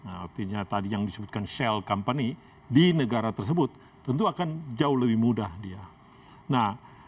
artinya tadi yang disebutkan shell company di negara tersebut tentu akan jauh lebih mudah dia